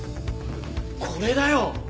これだよ！